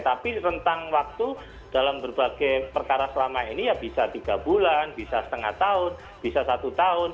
tapi rentang waktu dalam berbagai perkara selama ini ya bisa tiga bulan bisa setengah tahun bisa satu tahun